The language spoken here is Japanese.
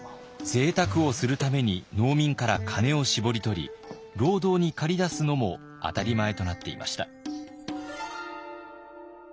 ぜいたくをするために農民から金を搾り取り労働に駆り出すのも当たり前となっていました。